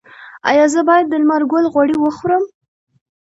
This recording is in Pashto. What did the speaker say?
ایا زه باید د لمر ګل غوړي وخورم؟